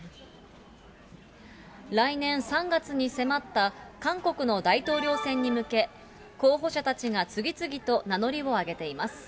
来年３月に迫った韓国の大統領選に向け、候補者たちが次々と名乗りを上げています。